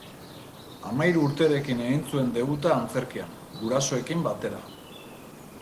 Hamahiru urterekin egin zuen debuta antzerkian, gurasoekin batera.